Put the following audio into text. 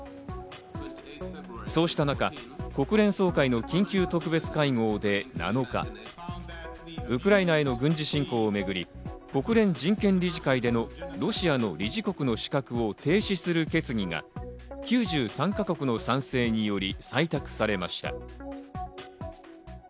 そうした中、国連総会の緊急特別会合で７日、ウクライナへの軍事侵攻をめぐり、国連人権理事会でのロシアの理事国の資格を停止する決議が９３か国の賛成により採択されました。